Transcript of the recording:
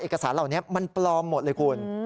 สารเหล่านี้มันปลอมหมดเลยคุณ